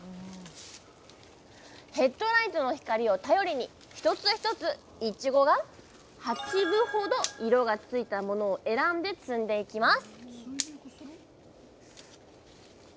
ヘッドライトの光を頼りに一つ一ついちごが８分ほど色がついたものを選んで摘んでいきます